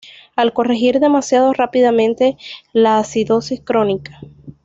Al corregir demasiado rápidamente la acidosis crónica.